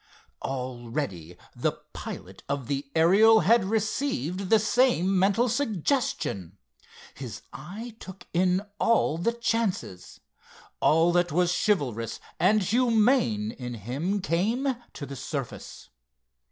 Already the pilot of the Ariel had received the same mental suggestion. His eye took in all the chances. All that was chivalrous and humane in him came to the surface.